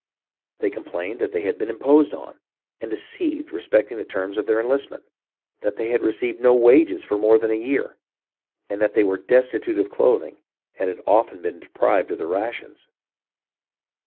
They complained that they had been imposed on and deceived respecting the term of their enlistment, that they had received no wages for more than a year, and that they were destitute of clothing, and had often been deprived of their rations.